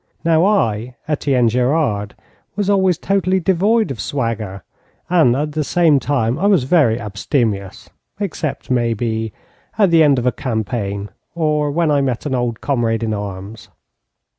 Now I, Etienne Gerard, was always totally devoid of swagger, and at the same time I was very abstemious, except, maybe, at the end of a campaign, or when I met an old comrade in arms.